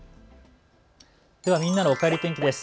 では、みんなのおかえり天気です。